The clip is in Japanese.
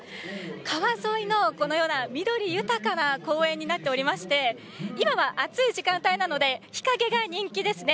川沿いの緑豊かな公園になっておりまして今は暑い時間帯なので日陰が人気ですね。